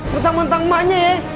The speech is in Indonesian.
mentang mentang emaknya ya